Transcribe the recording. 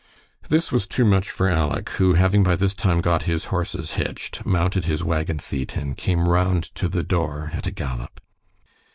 This was too much for Aleck, who, having by this time got his horses hitched, mounted his wagon seat and came round to the door at a gallop.